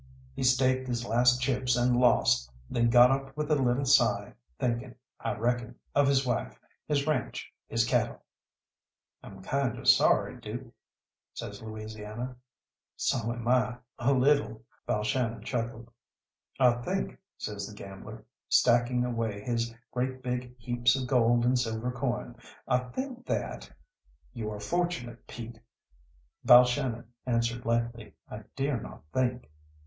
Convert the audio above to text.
He staked his last chips and lost, then got up with a little sigh, thinking, I reckon, of his wife, his ranche, his cattle. "I'm kind of sorry, Dook," says Louisiana. "So am I, a little," Balshannon chuckled. "I think," says the gambler, stacking away his great big heaps of gold and silver coin "I think that " "You are fortunate, Pete," Balshannon answered lightly, "I dare not think."